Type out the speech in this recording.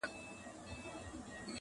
د کفن له غله بېغمه هدیره وه!!